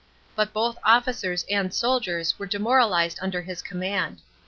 But both officers and soldiers were demoralised under his command.